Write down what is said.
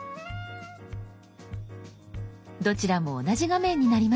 どちらも同じ画面になりました。